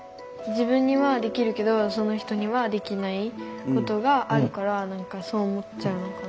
自分にはできるけどその人にはできないことがあるから何かそう思っちゃうのかな。